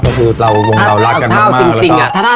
เพราะคือเรารักกันมากแล้วก็